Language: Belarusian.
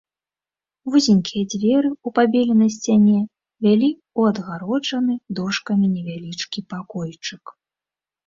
Вузенькія дзверы ў пабеленай сцяне вялі ў адгароджаны дошкамі невялічкі пакойчык.